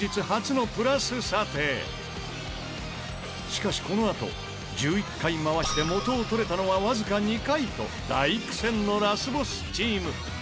しかしこのあと１１回回して元を取れたのはわずか２回と大苦戦のラスボスチーム。